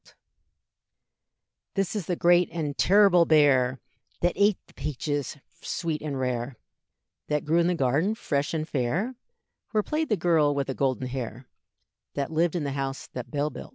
This is the great and terrible bear, That ate the peaches sweet and rare, That grew in the garden fresh and fair, Where played the girl with the golden hair, That lived in the house that Bell built.